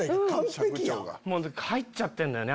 入っちゃってんのよね